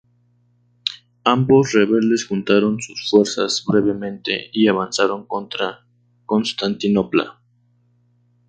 Ambos rebeldes juntaron sus fuerzas brevemente y avanzaron contra Constantinopla.